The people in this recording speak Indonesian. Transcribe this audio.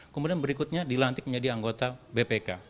kemudian berikutnya dilantik menjadi anggota bpk